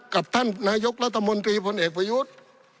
กับท่านนายกรัฐมนตรีพลเอกประยุทธ์